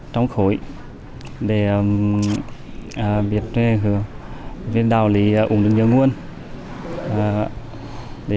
trong khối để viên đạo lý ủng hộ nhiều nguồn để chăm sóc và phùng trường những người cầu công về